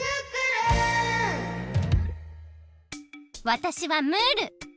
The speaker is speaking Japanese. わたしはムール。